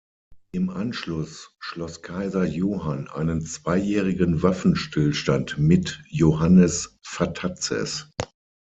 Im Anschluss schloss Kaiser Johann einen zweijährigen Waffenstillstand mit Johannes Vatatzes.